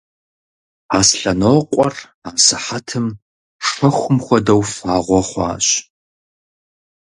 Аслъэнокъуэр асыхьэтым шэхум хуэдэу фагъуэ хъуащ.